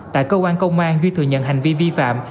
tại cơ quan công an duy thừa nhận hành vi vi phạm